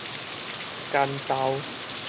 關渡